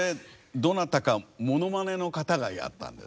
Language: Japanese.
どなたかモノマネの方がやったんです。